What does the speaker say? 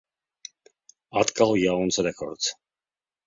Atkal jauns rekords.